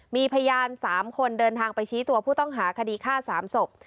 มีพยาน๓คนเดินทางไปชี้ตัวผู้ต้องหาคดีฆ่า๓ศพ